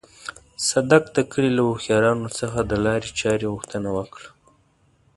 صدک د کلي له هوښيارانو څخه د لارې چارې پوښتنه وکړه.